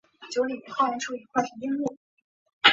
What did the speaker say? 插电式混合动力车是一种混合动力车辆。